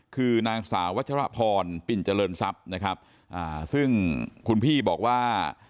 คือนางสาววัชรพรปิ่นเจริญทรัพย์นะครับอ่าซึ่งคุณพี่บอกว่า